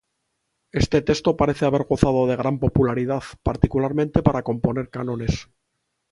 Este texto parece haber gozado de gran popularidad, particularmente para componer cánones.